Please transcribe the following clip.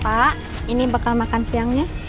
pak ini bakal makan siangnya